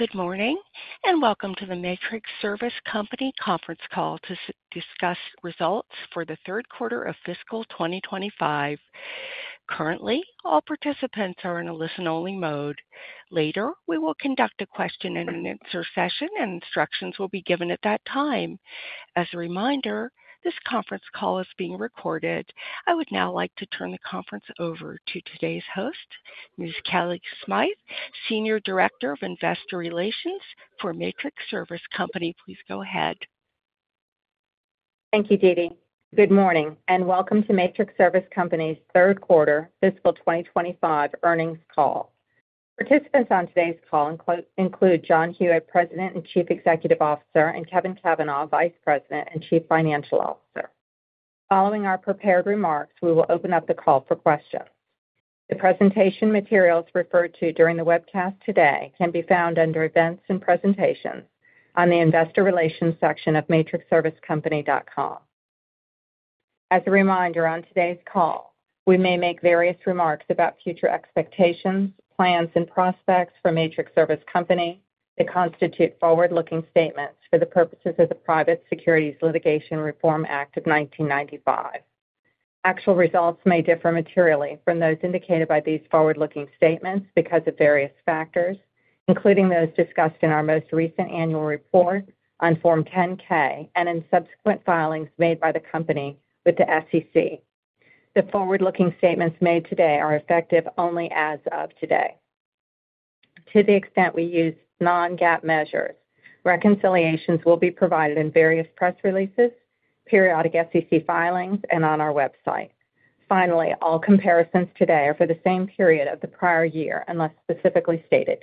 Good morning and welcome to the Matrix Service Company conference call to discuss results for the third quarter of fiscal 2025. Currently, all participants are in a listen-only mode. Later, we will conduct a question-and-answer session, and instructions will be given at that time. As a reminder, this conference call is being recorded. I would now like to turn the conference over to today's host, Ms. Kellie Smythe, Senior Director of Investor Relations for Matrix Service Company. Please go ahead. Thank you, Dee Dee. Good morning and welcome to Matrix Service Company's third quarter fiscal 2025 earnings call. Participants on today's call include John Hewitt, President and Chief Executive Officer, and Kevin Cavanah, Vice President and Chief Financial Officer. Following our prepared remarks, we will open up the call for questions. The presentation materials referred to during the webcast today can be found under Events and Presentations on the investor relations section of matrixservicecompany.com. As a reminder, on today's call, we may make various remarks about future expectations, plans, and prospects for Matrix Service Company that constitute forward-looking statements for the purposes of the Private Securities Litigation Reform Act of 1995. Actual results may differ materially from those indicated by these forward-looking statements because of various factors, including those discussed in our most recent annual report on Form 10-K and in subsequent filings made by the company with the SEC. The forward-looking statements made today are effective only as of today. To the extent we use non-GAAP measures, reconciliations will be provided in various press releases, periodic SEC filings, and on our website. Finally, all comparisons today are for the same period of the prior year unless specifically stated.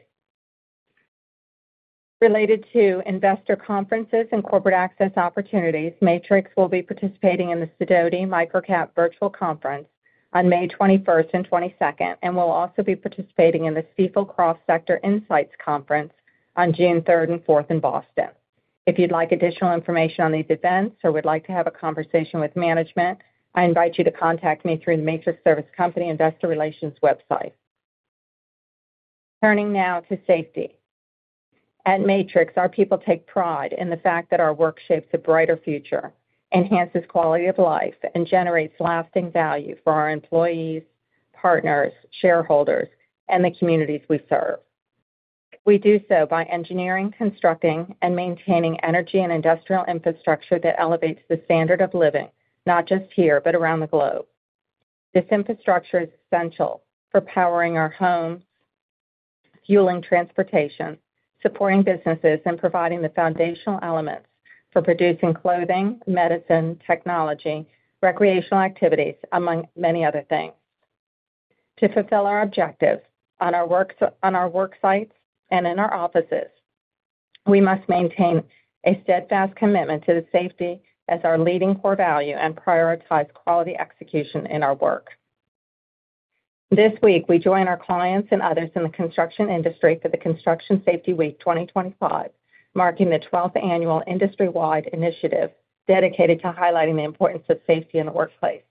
Related to investor conferences and corporate access opportunities, Matrix will be participating in the Sidoti & Company MicroCap Virtual Conference on May 21st and 22nd, and will also be participating in the Stifel Cross Sector Insights Conference on June 3rd and 4th in Boston. If you'd like additional information on these events or would like to have a conversation with management, I invite you to contact me through the Matrix Service Company Investor Relations website. Turning now to safety. At Matrix, our people take pride in the fact that our work shapes a brighter future, enhances quality of life, and generates lasting value for our employees, partners, shareholders, and the communities we serve. We do so by engineering, constructing, and maintaining energy and industrial infrastructure that elevates the standard of living not just here, but around the globe. This infrastructure is essential for powering our homes, fueling transportation, supporting businesses, and providing the foundational elements for producing clothing, medicine, technology, recreational activities, among many other things. To fulfill our objectives on our work sites and in our offices, we must maintain a steadfast commitment to safety as our leading core value and prioritize quality execution in our work. This week, we join our clients and others in the construction industry for the Construction Safety Week 2025, marking the 12th annual industry-wide initiative dedicated to highlighting the importance of safety in the workplace.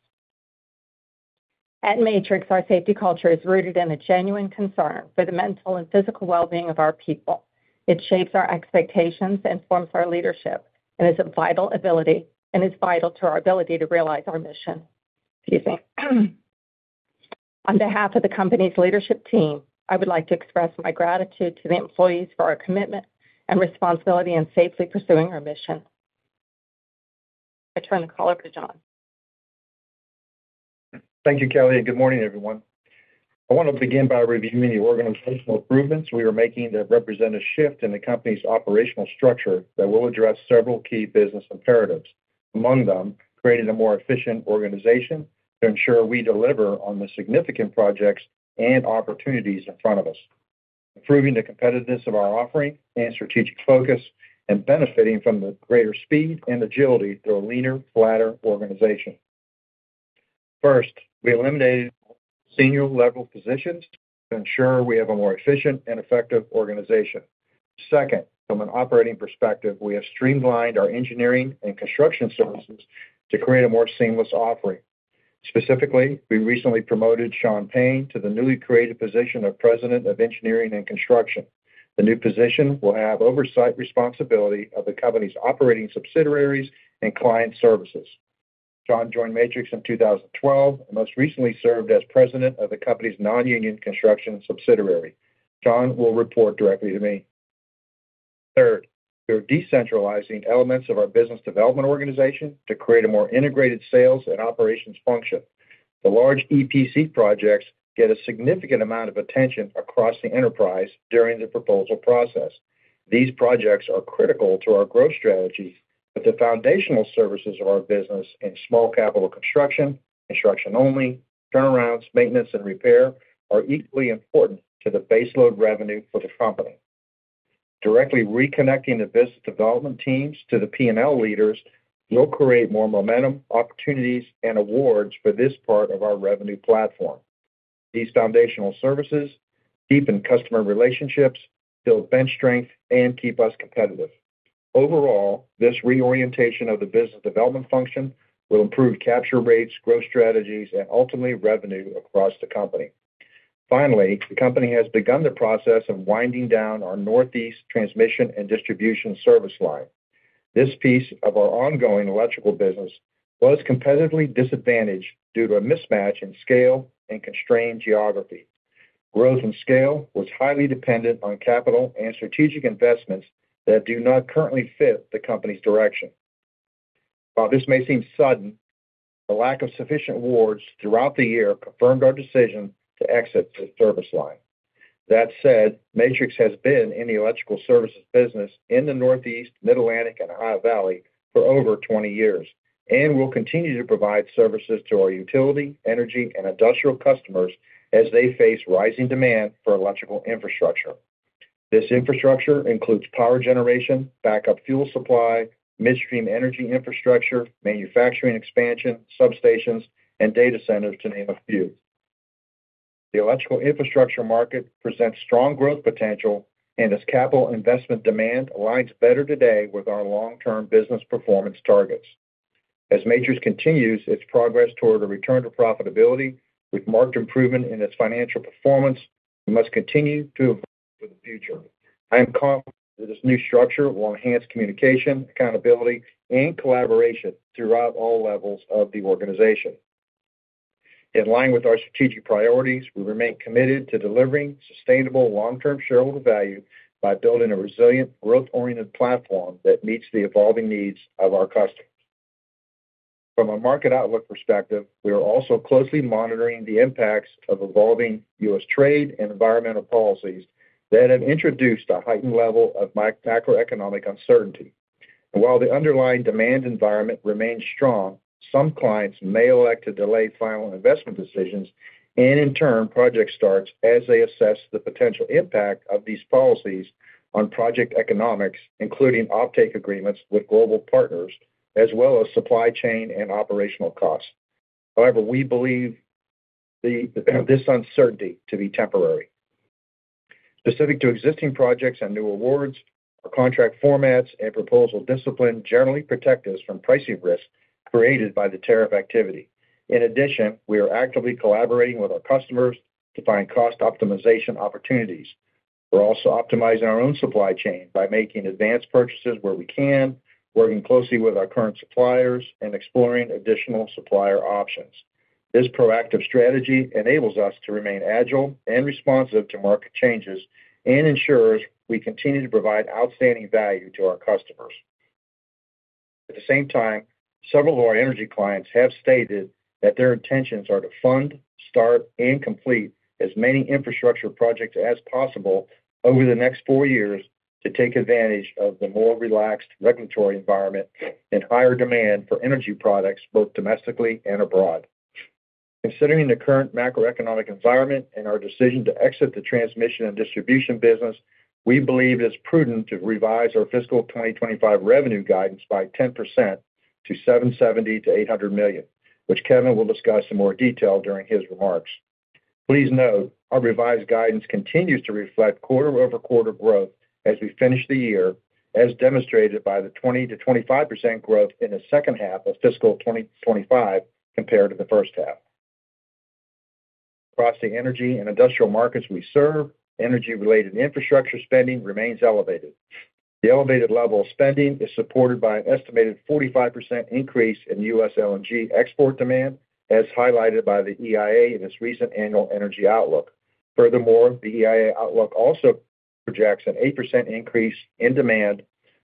At Matrix, our safety culture is rooted in a genuine concern for the mental and physical well-being of our people. It shapes our expectations, informs our leadership, and is a vital ability and is vital to our ability to realize our mission. On behalf of the company's leadership team, I would like to express my gratitude to the employees for our commitment and responsibility in safely pursuing our mission. I turn the call over to John. Thank you, Kellie, and good morning, everyone. I want to begin by reviewing the organizational improvements we are making that represent a shift in the company's operational structure that will address several key business imperatives, among them creating a more efficient organization to ensure we deliver on the significant projects and opportunities in front of us, improving the competitiveness of our offering and strategic focus, and benefiting from the greater speed and agility through a leaner, flatter organization. First, we eliminated senior-level positions to ensure we have a more efficient and effective organization. Second, from an operating perspective, we have streamlined our engineering and construction services to create a more seamless offering. Specifically, we recently promoted Shawn Payne to the newly created position of President of Engineering and Construction. The new position will have oversight responsibility of the company's operating subsidiaries and client services. Shawn joined Matrix in 2012 and most recently served as President of the company's non-union construction subsidiary. Shawn will report directly to me. Third, we are decentralizing elements of our business development organization to create a more integrated sales and operations function. The large EPC projects get a significant amount of attention across the enterprise during the proposal process. These projects are critical to our growth strategy, but the foundational services of our business in small capital construction, construction-only, turnarounds, maintenance, and repair are equally important to the base load revenue for the company. Directly reconnecting the business development teams to the P&L leaders will create more momentum, opportunities, and awards for this part of our revenue platform. These foundational services deepen customer relationships, build bench strength, and keep us competitive. Overall, this reorientation of the business development function will improve capture rates, growth strategies, and ultimately revenue across the company. Finally, the company has begun the process of winding down our Northeast transmission and distribution service line. This piece of our ongoing electrical business was competitively disadvantaged due to a mismatch in scale and constrained geography. Growth and scale was highly dependent on capital and strategic investments that do not currently fit the company's direction. While this may seem sudden, the lack of sufficient awards throughout the year confirmed our decision to exit the service line. That said, Matrix has been in the electrical services business in the Northeast, Mid-Atlantic, and Ohio Valley for over 20 years and will continue to provide services to our utility, energy, and industrial customers as they face rising demand for electrical infrastructure. This infrastructure includes power generation, backup fuel supply, midstream energy infrastructure, manufacturing expansion, substations, and data centers, to name a few. The electrical infrastructure market presents strong growth potential, and its capital investment demand aligns better today with our long-term business performance targets. As Matrix continues its progress toward a return to profitability with marked improvement in its financial performance, we must continue to evolve for the future. I am confident that this new structure will enhance communication, accountability, and collaboration throughout all levels of the organization. In line with our strategic priorities, we remain committed to delivering sustainable long-term shareholder value by building a resilient, growth-oriented platform that meets the evolving needs of our customers. From a market outlook perspective, we are also closely monitoring the impacts of evolving U.S. trade and environmental policies that have introduced a heightened level of macroeconomic uncertainty. While the underlying demand environment remains strong, some clients may elect to delay final investment decisions and, in turn, project starts as they assess the potential impact of these policies on project economics, including offtake agreements with global partners, as well as supply chain and operational costs. However, we believe this uncertainty to be temporary. Specific to existing projects and new awards, our contract formats and proposal discipline generally protect us from pricing risk created by the tariff activity. In addition, we are actively collaborating with our customers to find cost optimization opportunities. We're also optimizing our own supply chain by making advanced purchases where we can, working closely with our current suppliers, and exploring additional supplier options. This proactive strategy enables us to remain agile and responsive to market changes and ensures we continue to provide outstanding value to our customers. At the same time, several of our energy clients have stated that their intentions are to fund, start, and complete as many infrastructure projects as possible over the next four years to take advantage of the more relaxed regulatory environment and higher demand for energy products both domestically and abroad. Considering the current macroeconomic environment and our decision to exit the transmission and distribution business, we believe it is prudent to revise our fiscal 2025 revenue guidance by 10% to $770-$800 million, which Kevin will discuss in more detail during his remarks. Please note, our revised guidance continues to reflect quarter-over-quarter growth as we finish the year, as demonstrated by the 20%-25% growth in the second half of fiscal 2025 compared to the first half. Across the energy and industrial markets we serve, energy-related infrastructure spending remains elevated. The elevated level of spending is supported by an estimated 45% increase in U.S. LNG export demand, as highlighted by the EIA in its recent annual energy outlook. Furthermore, the EIA outlook also projects an 8% increase in demand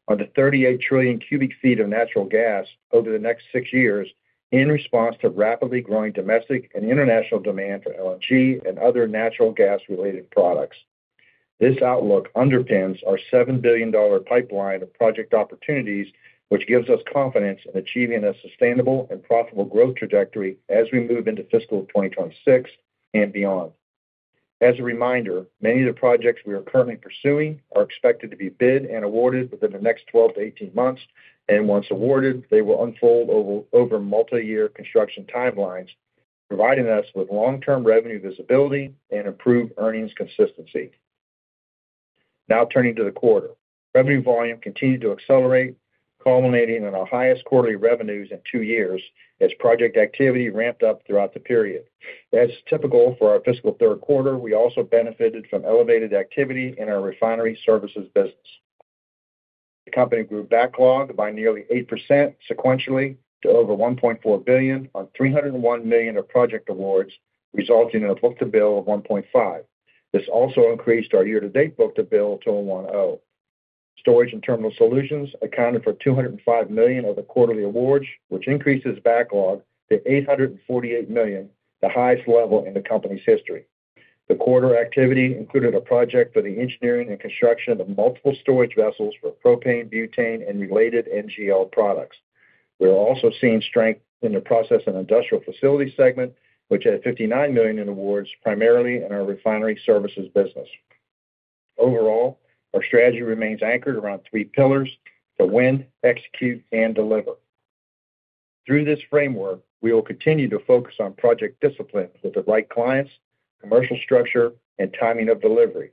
on the 38 trillion cu ft of natural gas over the next six years in response to rapidly growing domestic and international demand for LNG and other natural gas-related products. This outlook underpins our $7 billion pipeline of project opportunities, which gives us confidence in achieving a sustainable and profitable growth trajectory as we move into fiscal 2026 and beyond. As a reminder, many of the projects we are currently pursuing are expected to be bid and awarded within the next 12 to 18 months, and once awarded, they will unfold over multi-year construction timelines, providing us with long-term revenue visibility and improved earnings consistency. Now turning to the quarter, revenue volume continued to accelerate, culminating in our highest quarterly revenues in two years as project activity ramped up throughout the period. As typical for our fiscal third quarter, we also benefited from elevated activity in our refinery services business. The company grew backlog by nearly 8% sequentially to over $1.4 billion on $301 million of project awards, resulting in a book-to-bill of 1.5x. This also increased our year-to-date book-to-bill to 1x. Storage and terminal solutions accounted for $205 million of the quarterly awards, which increased this backlog to $848 million, the highest level in the company's history. The quarter activity included a project for the engineering and construction of multiple storage vessels for propane, butane, and related NGL products. We are also seeing strength in the process and industrial facility segment, which had $59 million in awards primarily in our refinery services business. Overall, our strategy remains anchored around three pillars: the win, execute, and deliver. Through this framework, we will continue to focus on project discipline with the right clients, commercial structure, and timing of delivery.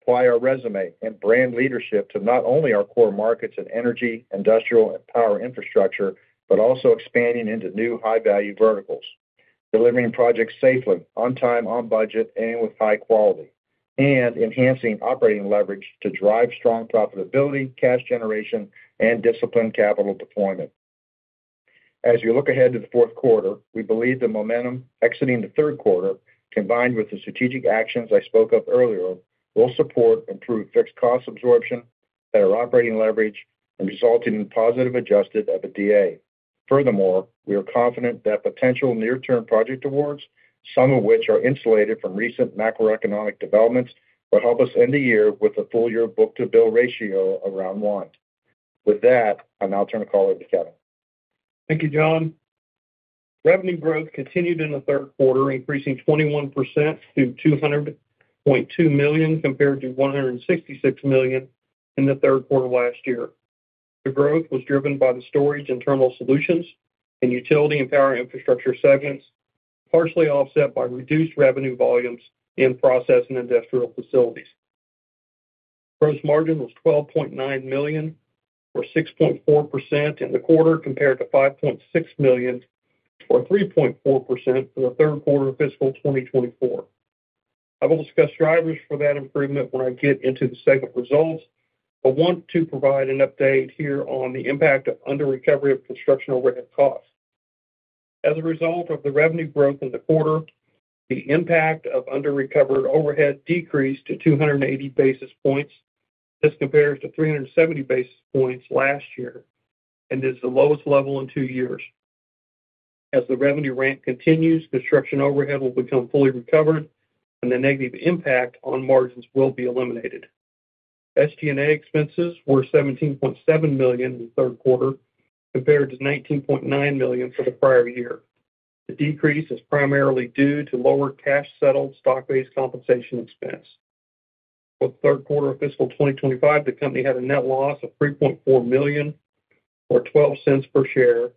Apply our resume and brand leadership to not only our core markets in energy, industrial, and power infrastructure, but also expanding into new high-value verticals, delivering projects safely, on time, on budget, and with high quality, and enhancing operating leverage to drive strong profitability, cash generation, and disciplined capital deployment. As we look ahead to the fourth quarter, we believe the momentum exiting the third quarter, combined with the strategic actions I spoke of earlier, will support improved fixed cost absorption, better operating leverage, and resulting in positive adjusted EBITDA. Furthermore, we are confident that potential near-term project awards, some of which are insulated from recent macroeconomic developments, will help us end the year with a full-year book-to-bill ratio around one. With that, I now turn the call over to Kevin. Thank you, John. Revenue growth continued in the third quarter, increasing 21% to $200.2 million compared to $166 million in the third quarter last year. The growth was driven by the storage and terminal solutions and utility and power infrastructure segments, partially offset by reduced revenue volumes in process and industrial facilities. Gross margin was $12.9 million, or 6.4% in the quarter, compared to $5.6 million, or 3.4% for the third quarter of fiscal 2024. I will discuss drivers for that improvement when I get into the second results, but want to provide an update here on the impact of under-recovery of construction overhead costs. As a result of the revenue growth in the quarter, the impact of under-recovered overhead decreased to 280 basis points. This compares to 370 basis points last year and is the lowest level in two years. As the revenue ramp continues, construction overhead will become fully recovered, and the negative impact on margins will be eliminated. SG&A expenses were $17.7 million in the third quarter, compared to $19.9 million for the prior year. The decrease is primarily due to lower cash-settled stock-based compensation expense. For the third quarter of fiscal 2025, the company had a net loss of $3.4 million, or $0.12 per share,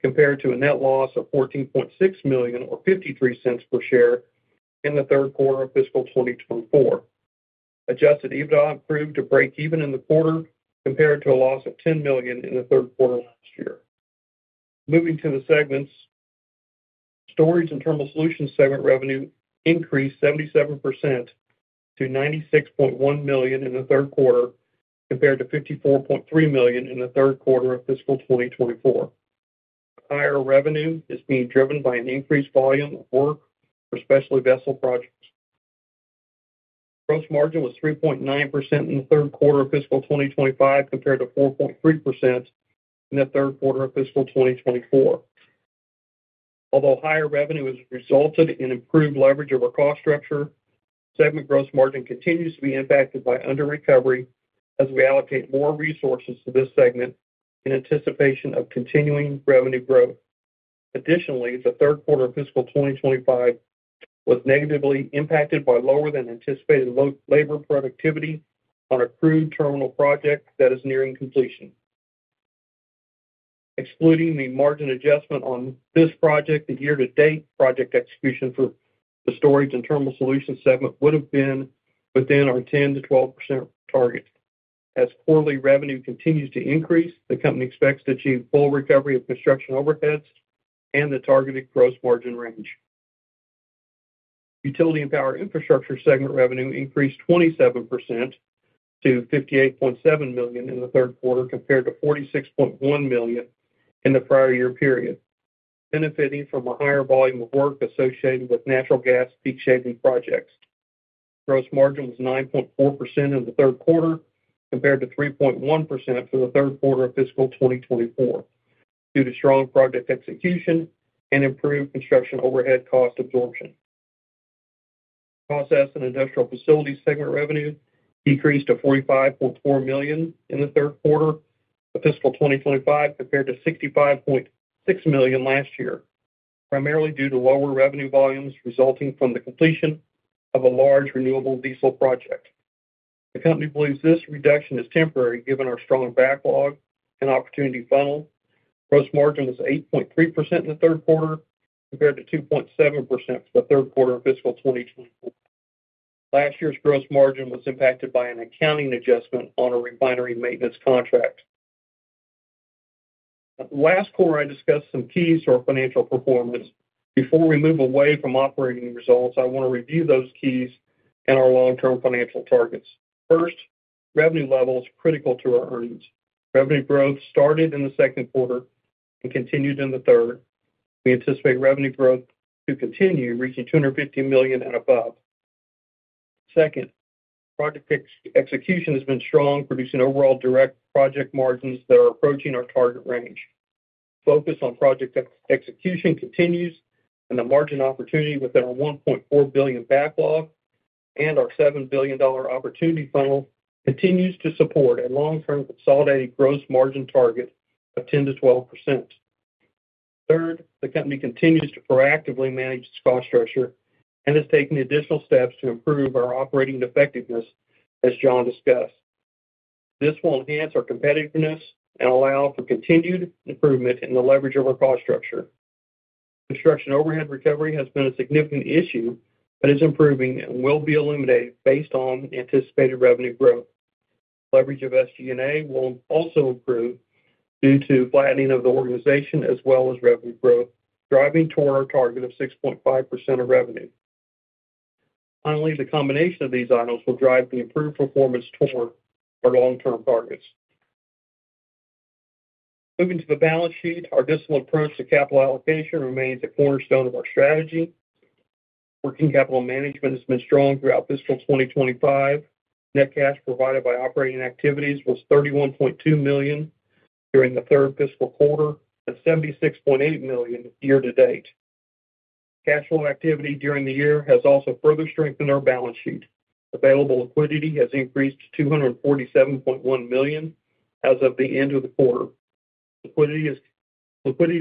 compared to a net loss of $14.6 million, or $0.53 per share, in the third quarter of fiscal 2024. Adjusted EBITDA improved to break even in the quarter, compared to a loss of $10 million in the third quarter last year. Moving to the segments, storage and terminal solutions segment revenue increased 77% to $96.1 million in the third quarter, compared to $54.3 million in the third quarter of fiscal 2024. Higher revenue is being driven by an increased volume of work for specialty vessel projects. Gross margin was 3.9% in the third quarter of fiscal 2025, compared to 4.3% in the third quarter of fiscal 2024. Although higher revenue has resulted in improved leverage of our cost structure, segment gross margin continues to be impacted by under-recovery as we allocate more resources to this segment in anticipation of continuing revenue growth. Additionally, the third quarter of fiscal 2025 was negatively impacted by lower-than-anticipated labor productivity on a crude terminal project that is nearing completion. Excluding the margin adjustment on this project, the year-to-date project execution for the storage and terminal solutions segment would have been within our 10%-12% target. As quarterly revenue continues to increase, the company expects to achieve full recovery of construction overheads and the targeted gross margin range. Utility and power infrastructure segment revenue increased 27% to $58.7 million in the third quarter, compared to $46.1 million in the prior year period, benefiting from a higher volume of work associated with natural gas peak shaving projects. Gross margin was 9.4% in the third quarter, compared to 3.1% for the third quarter of fiscal 2024, due to strong project execution and improved construction overhead cost absorption. Process and industrial facilities segment revenue decreased to $45.4 million in the third quarter of fiscal 2025, compared to $65.6 million last year, primarily due to lower revenue volumes resulting from the completion of a large renewable diesel project. The company believes this reduction is temporary, given our strong backlog and opportunity funnel. Gross margin was 8.3% in the third quarter, compared to 2.7% for the third quarter of fiscal 2024. Last year's gross margin was impacted by an accounting adjustment on a refinery maintenance contract. Last quarter, I discussed some keys to our financial performance. Before we move away from operating results, I want to review those keys and our long-term financial targets. First, revenue level is critical to our earnings. Revenue growth started in the second quarter and continued in the third. We anticipate revenue growth to continue reaching $250 million and above. Second, project execution has been strong, producing overall direct project margins that are approaching our target range. Focus on project execution continues, and the margin opportunity within our $1.4 billion backlog and our $7 billion opportunity funnel continues to support a long-term consolidated gross margin target of 10%-12%. Third, the company continues to proactively manage its cost structure and is taking additional steps to improve our operating effectiveness, as John discussed. This will enhance our competitiveness and allow for continued improvement in the leverage of our cost structure. Construction overhead recovery has been a significant issue but is improving and will be eliminated based on anticipated revenue growth. Leverage of SG&A will also improve due to flattening of the organization as well as revenue growth, driving toward our target of 6.5% of revenue. Finally, the combination of these items will drive the improved performance toward our long-term targets. Moving to the balance sheet, our disciplined approach to capital allocation remains a cornerstone of our strategy. Working capital management has been strong throughout fiscal 2025. Net cash provided by operating activities was $31.2 million during the third fiscal quarter and $76.8 million year-to-date. Cash flow activity during the year has also further strengthened our balance sheet. Available liquidity has increased to $247.1 million as of the end of the quarter. Liquidity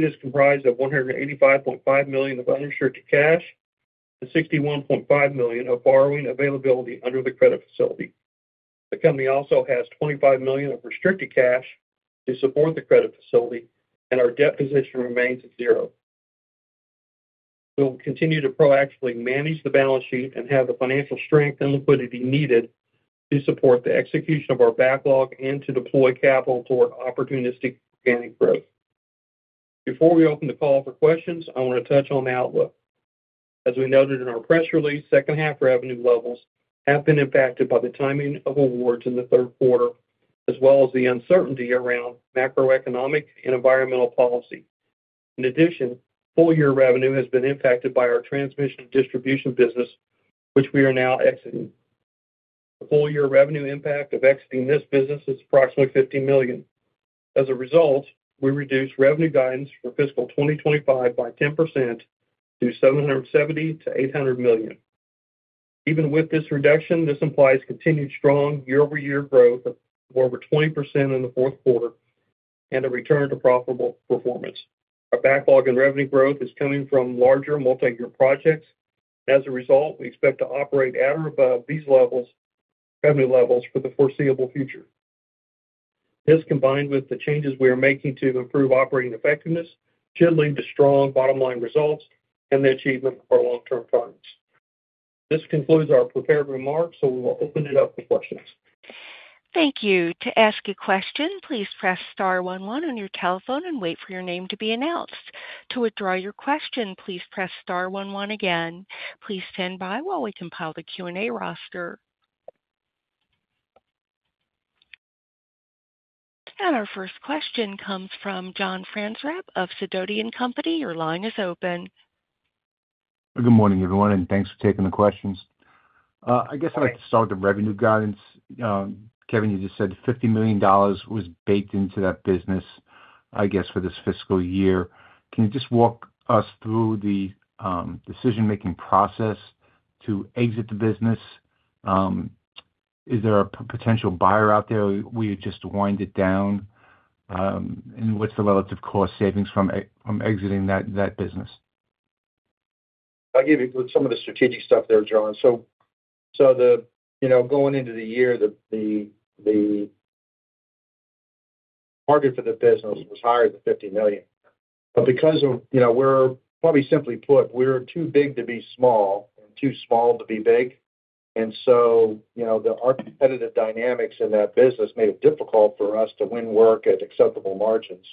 is comprised of $185.5 million of unrestricted cash and $61.5 million of borrowing availability under the credit facility. The company also has $25 million of restricted cash to support the credit facility, and our debt position remains at zero. We will continue to proactively manage the balance sheet and have the financial strength and liquidity needed to support the execution of our backlog and to deploy capital toward opportunistic organic growth. Before we open the call for questions, I want to touch on the outlook. As we noted in our press release, second-half revenue levels have been impacted by the timing of awards in the third quarter, as well as the uncertainty around macroeconomic and environmental policy. In addition, full-year revenue has been impacted by our transmission and distribution business, which we are now exiting. The full-year revenue impact of exiting this business is approximately $50 million. As a result, we reduced revenue guidance for fiscal 2025 by 10% to $770 million-$800 million. Even with this reduction, this implies continued strong year-over-year growth of over 20% in the fourth quarter and a return to profitable performance. Our backlog and revenue growth is coming from larger multi-year projects. As a result, we expect to operate at or above these levels, revenue levels, for the foreseeable future. This, combined with the changes we are making to improve operating effectiveness, should lead to strong bottom-line results and the achievement of our long-term targets. This concludes our prepared remarks, so we will open it up for questions. Thank you. To ask a question, please press star one one on your telephone and wait for your name to be announced. To withdraw your question, please press star one one again. Please stand by while we compile the Q&A roster. Our first question comes from John Franzreb of Sidoti & Company. Your line is open. Good morning, everyone, and thanks for taking the questions. I guess I'd like to start with the revenue guidance. Kevin, you just said $50 million was baked into that business, I guess, for this fiscal year. Can you just walk us through the decision-making process to exit the business? Is there a potential buyer out there? Will you just wind it down? What's the relative cost savings from exiting that business? I'll give you some of the strategic stuff there, John. Going into the year, the target for the business was higher than $50 million. Because of, probably simply put, we're too big to be small and too small to be big. Our competitive dynamics in that business made it difficult for us to win work at acceptable margins.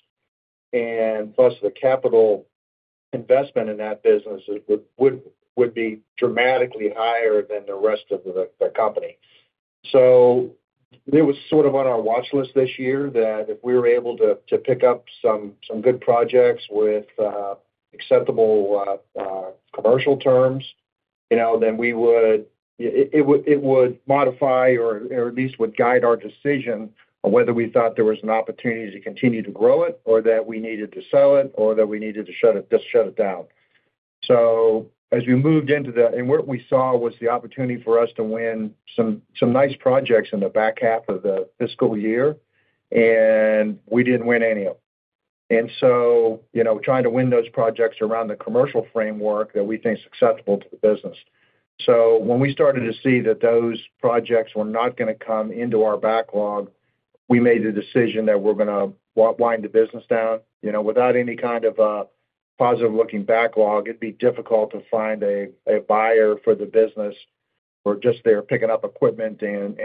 Plus, the capital investment in that business would be dramatically higher than the rest of the company. It was sort of on our watchlist this year that if we were able to pick up some good projects with acceptable commercial terms, then it would modify or at least would guide our decision on whether we thought there was an opportunity to continue to grow it or that we needed to sell it or that we needed to shut it down. As we moved into that, and what we saw was the opportunity for us to win some nice projects in the back half of the fiscal year, and we did not win any of them. Trying to win those projects around the commercial framework that we think is acceptable to the business. When we started to see that those projects were not going to come into our backlog, we made the decision that we are going to wind the business down. Without any kind of a positive-looking backlog, it would be difficult to find a buyer for the business or just there picking up equipment and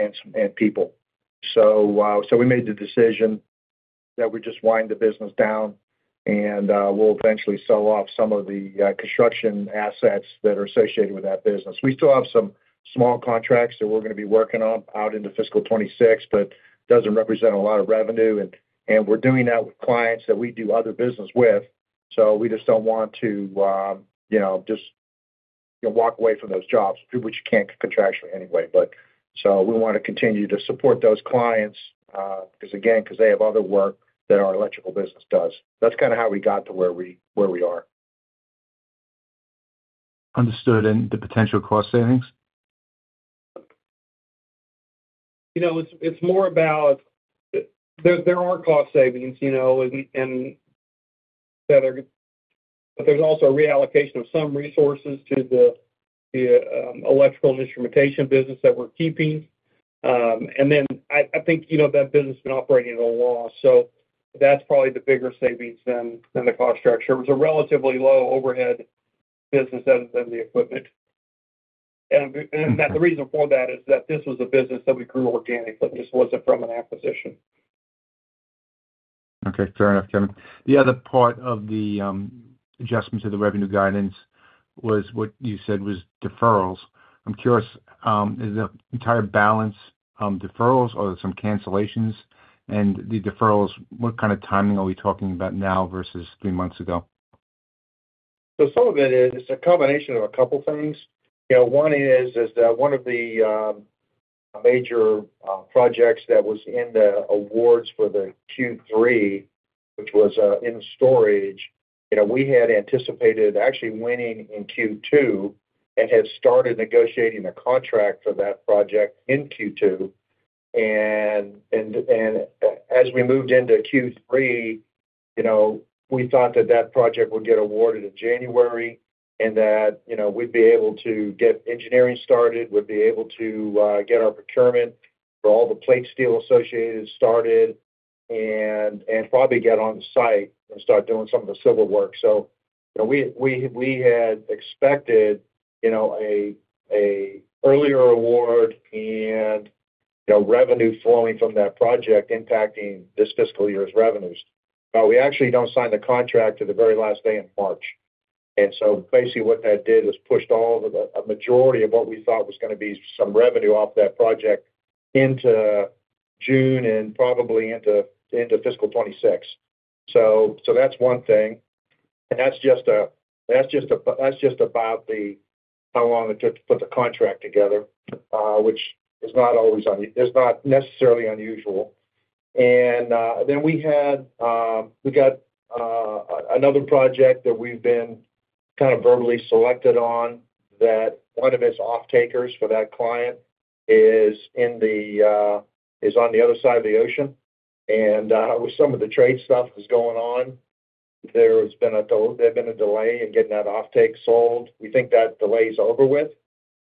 people. We made the decision that we just wind the business down and we will eventually sell off some of the construction assets that are associated with that business. We still have some small contracts that we're going to be working on out into fiscal 2026, but it doesn't represent a lot of revenue. We're doing that with clients that we do other business with, so we just don't want to just walk away from those jobs, which you can't contractually anyway. We want to continue to support those clients because, again, they have other work that our electrical business does. That's kind of how we got to where we are. Understood. And the potential cost savings? It's more about there are cost savings, and there's also reallocation of some resources to the electrical and instrumentation business that we're keeping. I think that business has been operating at a loss, so that's probably the bigger savings than the cost structure. It was a relatively low overhead business other than the equipment. The reason for that is that this was a business that we grew. Okay. Fair enough, Kevin. The other part of the adjustment to the revenue guidance was what you said was deferrals. I'm curious, is the entire balance deferrals or some cancellations? And the deferrals, what kind of timing are we talking about now versus three months ago? Some of it is a combination of a couple of things. One is that one of the major projects that was in the awards for the Q3, which was in storage, we had anticipated actually winning in Q2 and had started negotiating a contract for that project in Q2. As we moved into Q3, we thought that that project would get awarded in January and that we'd be able to get engineering started, would be able to get our procurement for all the plate steel associated started, and probably get on the site and start doing some of the civil work. We had expected an earlier award and revenue flowing from that project impacting this fiscal year's revenues. We actually do not sign the contract until the very last day in March. Basically what that did is pushed a majority of what we thought was going to be some revenue off that project into June and probably into fiscal 2026. That is one thing. That is just about how long it took to put the contract together, which is not always necessarily unusual. We got another project that we have been kind of verbally selected on that one of its off-takers for that client is on the other side of the ocean. With some of the trade stuff that is going on, there has been a delay in getting that off-take sold. We think that delay is over with,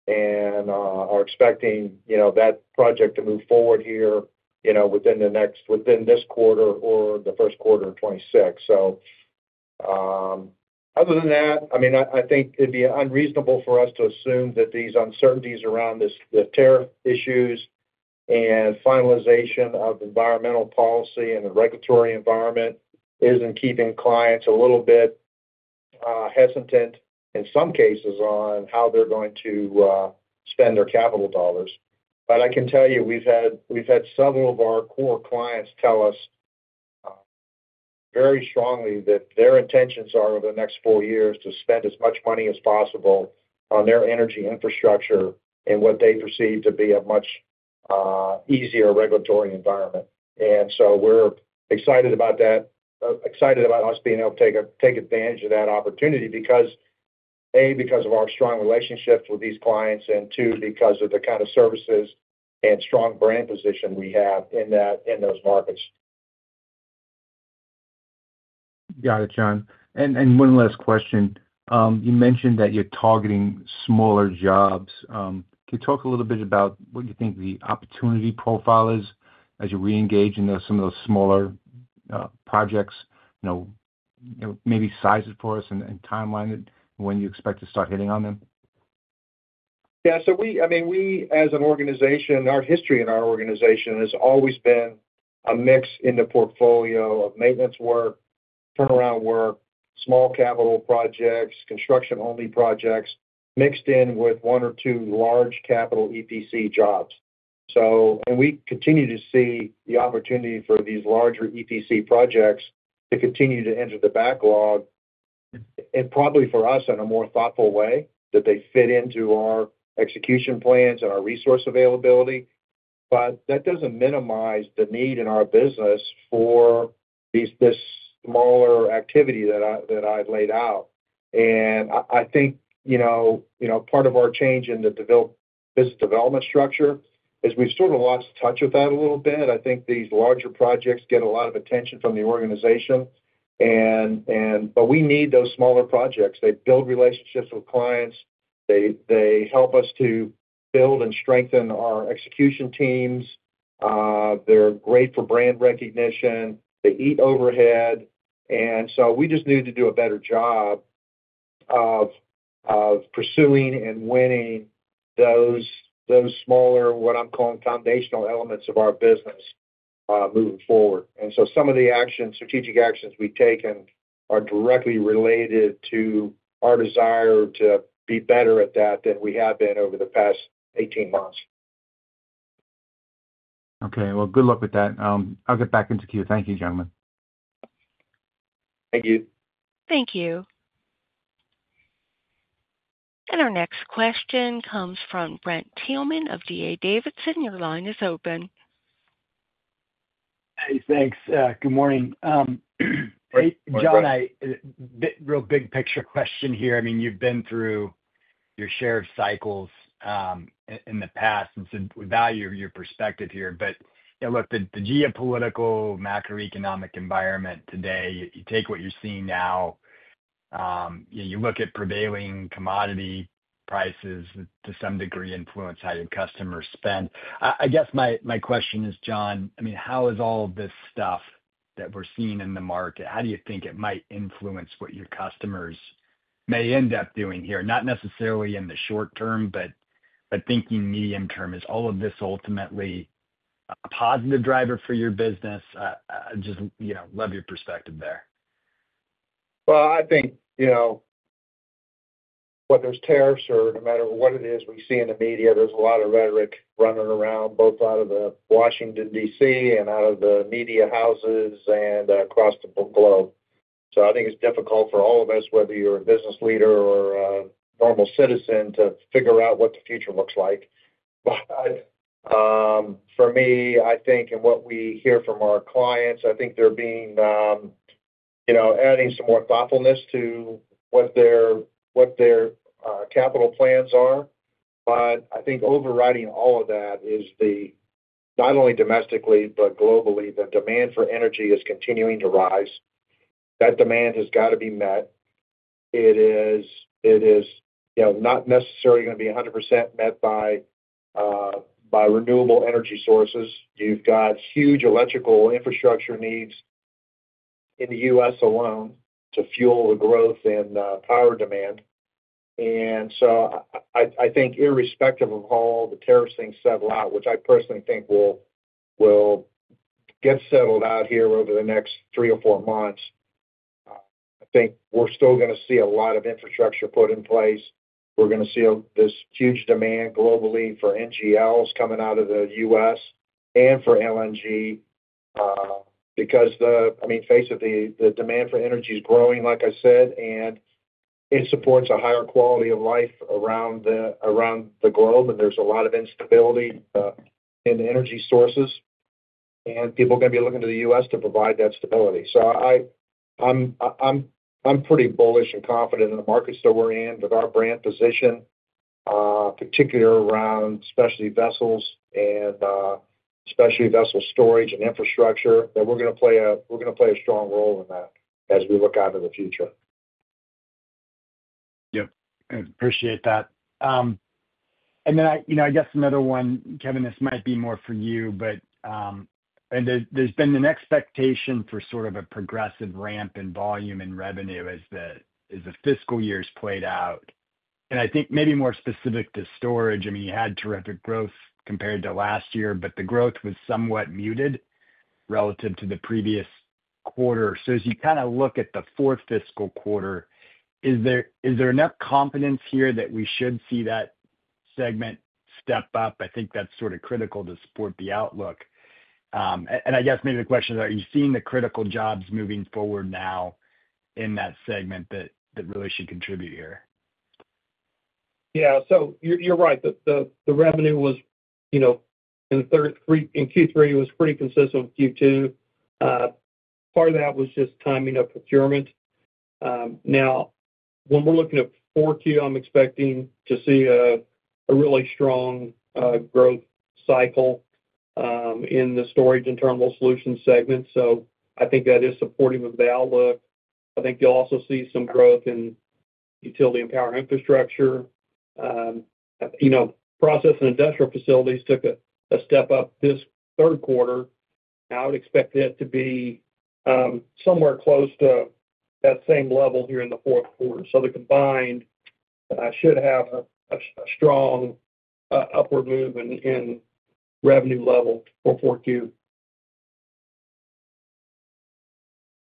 and are expecting that project to move forward here within this quarter or the first quarter of 2026. Other than that, I mean, I think it'd be unreasonable for us to assume that these uncertainties around the tariff issues and finalization of environmental policy and the regulatory environment isn't keeping clients a little bit hesitant in some cases on how they're going to spend their capital dollars. I can tell you we've had several of our core clients tell us very strongly that their intentions are over the next four years to spend as much money as possible on their energy infrastructure in what they perceive to be a much easier regulatory environment. We're excited about that, excited about us being able to take advantage of that opportunity because, A, because of our strong relationship with these clients, and two, because of the kind of services and strong brand position we have in those markets. Got it, John. One last question. You mentioned that you're targeting smaller jobs. Can you talk a little bit about what you think the opportunity profile is as you reengage in some of those smaller projects, maybe sizes for us and timeline when you expect to start hitting on them? Yeah. So I mean, as an organization, our history in our organization has always been a mix in the portfolio of maintenance work, turnaround work, small capital projects, construction-only projects mixed in with one or two large capital EPC jobs. We continue to see the opportunity for these larger EPC projects to continue to enter the backlog, and probably for us in a more thoughtful way that they fit into our execution plans and our resource availability. That does not minimize the need in our business for this smaller activity that I have laid out. I think part of our change in the business development structure is we have sort of lost touch with that a little bit. I think these larger projects get a lot of attention from the organization. We need those smaller projects. They build relationships with clients. They help us to build and strengthen our execution teams. They're great for brand recognition. They eat overhead. We just need to do a better job of pursuing and winning those smaller, what I'm calling foundational elements of our business moving forward. Some of the strategic actions we take are directly related to our desire to be better at that than we have been over the past 18 months. Okay. Good luck with that. I'll get back into queue. Thank you, gentlemen. Thank you. Thank you. Our next question comes from Brent Thielman of D.A. Davidson. Your line is open. Hey, thanks. Good morning. John, a real big picture question here. I mean, you've been through your share of cycles in the past and value your perspective here. Look, the geopolitical macroeconomic environment today, you take what you're seeing now, you look at prevailing commodity prices to some degree influence how your customers spend. I guess my question is, John, I mean, how is all this stuff that we're seeing in the market, how do you think it might influence what your customers may end up doing here? Not necessarily in the short term, but thinking medium term, is all of this ultimately a positive driver for your business? I just love your perspective there. I think whether it's tariffs or no matter what it is we see in the media, there's a lot of rhetoric running around both out of Washington, DC, and out of the media houses and across the globe. I think it's difficult for all of us, whether you're a business leader or a normal citizen, to figure out what the future looks like. For me, I think, and what we hear from our clients, I think they're adding some more thoughtfulness to what their capital plans are. I think overriding all of that is the, not only domestically, but globally, the demand for energy is continuing to rise. That demand has got to be met. It is not necessarily going to be 100% met by renewable energy sources. You've got huge electrical infrastructure needs in the U.S. alone to fuel the growth in power demand. I think irrespective of how all the tariffs things settle out, which I personally think will get settled out here over the next three or four months, I think we're still going to see a lot of infrastructure put in place. We're going to see this huge demand globally for NGLs coming out of the U.S. and for LNG because, I mean, basically, the demand for energy is growing, like I said, and it supports a higher quality of life around the globe. There is a lot of instability in energy sources. People are going to be looking to the U.S. to provide that stability. I'm pretty bullish and confident in the markets that we're in with our brand position, particularly around specialty vessels and specialty vessel storage and infrastructure, that we're going to play a strong role in that as we look out to the future. Yep. I appreciate that. I guess another one, Kevin, this might be more for you, but there's been an expectation for sort of a progressive ramp in volume and revenue as the fiscal year has played out. I think maybe more specific to storage, I mean, you had terrific growth compared to last year, but the growth was somewhat muted relative to the previous quarter. As you kind of look at the fourth fiscal quarter, is there enough confidence here that we should see that segment step up? I think that's sort of critical to support the outlook. I guess maybe the question is, are you seeing the critical jobs moving forward now in that segment that really should contribute here? Yeah. So you're right. The revenue was in Q3, it was pretty consistent with Q2. Part of that was just timing of procurement. Now, when we're looking at 4Q, I'm expecting to see a really strong growth cycle in the storage and terminal solution segment. I think that is supporting of the outlook. I think you'll also see some growth in utility and power infrastructure. Process and industrial facilities took a step up this third quarter. I would expect it to be somewhere close to that same level here in the fourth quarter. The combined should have a strong upward move in revenue level for 4Q.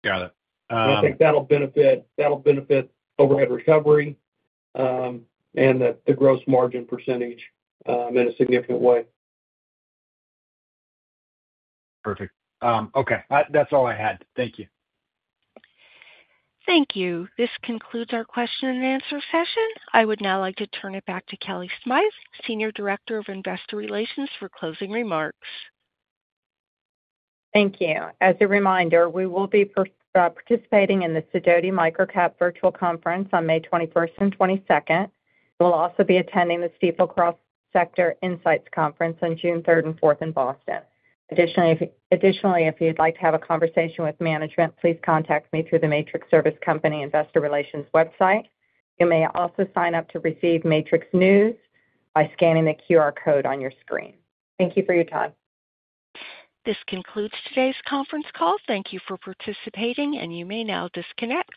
Got it. I think that'll benefit overhead recovery and the gross margin percentage in a significant way. Perfect. Okay. That's all I had. Thank you. Thank you. This concludes our question and answer session. I would now like to turn it back to Kellie Smythe, Senior Director of Investor Relations for closing remarks. Thank you. As a reminder, we will be participating in the Sidoti MicroCap Virtual Conference on May 21st and 22nd. We'll also be attending the Stifel Cross Sector Insights Conference on June 3rd and 4th in Boston. Additionally, if you'd like to have a conversation with management, please contact me through the Matrix Service Company Investor Relations website. You may also sign up to receive Matrix News by scanning the QR code on your screen. Thank you for your time. This concludes today's conference call. Thank you for participating, and you may now disconnect.